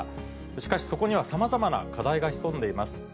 しかし、そこにはさまざまな課題が潜んでいます。